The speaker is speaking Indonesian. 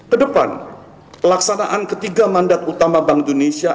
kedepan pelaksanaan ketiga mandat utama bank indonesia